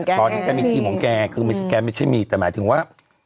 ก็เห็นแกมีทีมของแกแกไม่ใช่มีแต่หมายถึงว่า